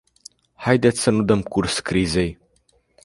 Haideți să nu dăm curs crizei.